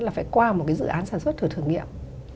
là phải qua một cái dự án sản xuất thửa thử nghiệm